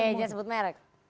eh jangan sebut merek